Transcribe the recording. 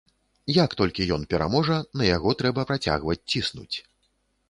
Як толькі ён пераможа, на яго трэба працягваць ціснуць.